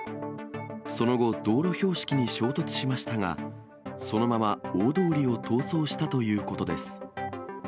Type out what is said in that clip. その後、道路標識に衝突しましたが、そのまま大通りを逃走したということです。